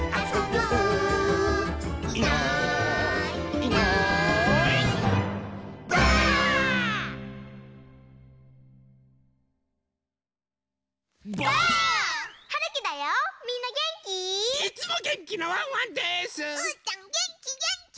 うーたんげんきげんき！